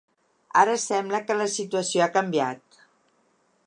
Ara sembla que la situació ha canviat.